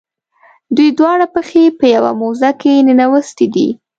دوی دواړه پښې په یوه موزه کې ننویستي دي.